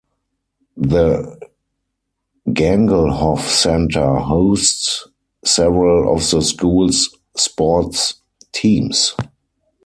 The Gangelhoff Center hosts several of the school's sports teams.